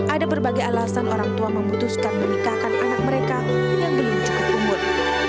ada berbagai alasan orang tua memutuskan menikahkan anak mereka yang belum cukup umur